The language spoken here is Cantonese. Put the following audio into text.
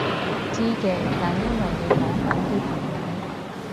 知嘅，但因為你講緊啲朋友